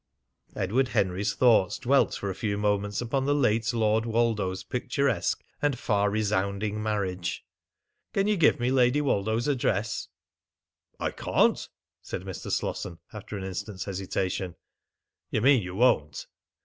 Edward Henry's thoughts dwelt for a few moments upon the late Lord Woldo's picturesque and far resounding marriage. "Can you give me Lady Woldo's address?" "I can't," said Mr. Slosson after an instant's hesitation. "You mean you won't!"